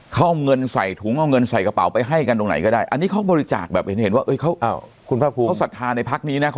เขาเอาเงินใส่ถุงเอาเงินใส่กระเป๋าไปให้กันตรงไหนก็ได้อันนี้เขาบริจาคแบบเห็นว่าคุณภาคภูมิเขาศรัทธาในพักนี้นะ